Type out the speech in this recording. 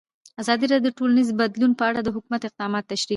ازادي راډیو د ټولنیز بدلون په اړه د حکومت اقدامات تشریح کړي.